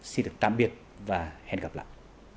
xin được tạm biệt và hẹn gặp lại